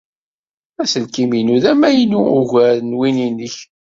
Aselkim-inu d amaynu ugar n win-nnek.